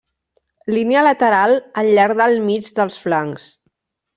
Línia lateral al llarg del mig dels flancs.